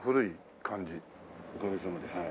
おかげさまではい。